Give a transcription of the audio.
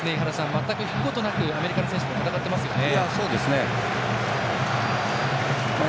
まったく引くことなくアメリカの選手も戦っていますよね。